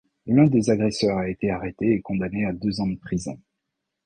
L'un des agresseurs a été arrêté et condamné à deux ans de prison.